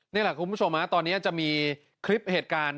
นี่แหละคุณผู้ชมตอนนี้จะมีคลิปเหตุการณ์